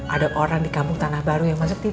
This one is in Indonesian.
ada orang di kampung tanah baru yang masuk